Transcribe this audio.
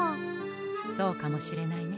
そうかもしれないね。